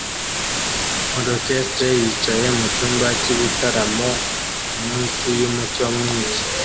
Orchestre yicaye mucyumba cyibitaramo munsi yumucyo mwinshi